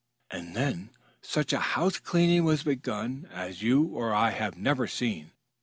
And then such a house cleaning was begun as you or I have never seen.